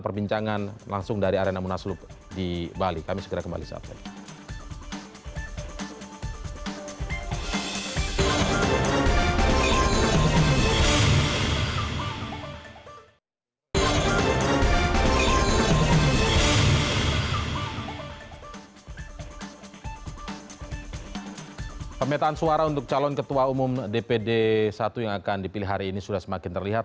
pemetaan suara untuk calon ketua umum dpd satu yang akan dipilih hari ini sudah semakin terlihat